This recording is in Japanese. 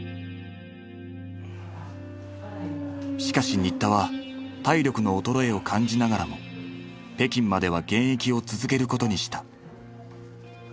しかし新田は体力の衰えを感じながらも北京までは現役を続けることにした。